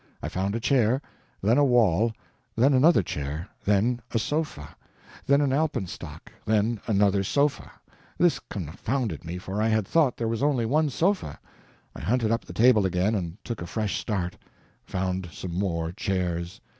I found a chair; then a wall; then another chair; then a sofa; then an alpenstock, then another sofa; this confounded me, for I had thought there was only one sofa. I hunted up the table again and took a fresh start; found some more chairs.